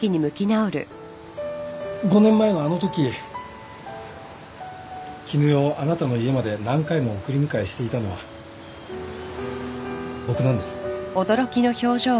５年前のあのとき絹代をあなたの家まで何回も送り迎えしていたのは僕なんです。